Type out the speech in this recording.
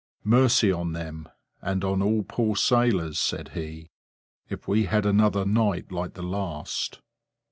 Mercy on them, and on all poor sailors, said he, if we had another night like the last!